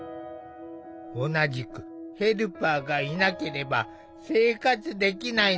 同じくヘルパーがいなければ生活できないノア。